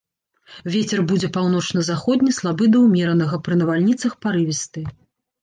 Вецер будзе паўночна-заходні, слабы да ўмеранага, пры навальніцах парывісты.